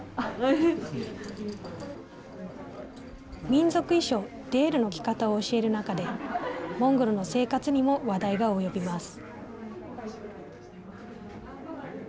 民族衣装デールの着方を教える中でモンゴルの生活にも話題が及びます。